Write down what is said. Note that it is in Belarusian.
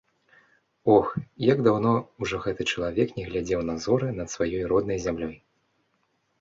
Ох, як даўно ўжо гэты чалавек не глядзеў на зоры над сваёй роднай зямлёй!